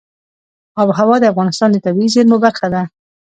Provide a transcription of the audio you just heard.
آب وهوا د افغانستان د طبیعي زیرمو برخه ده.